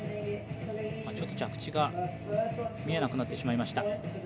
着地が見えなくなってしまいました。